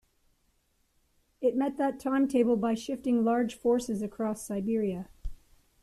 It met that timetable by shifting large forces across Siberia.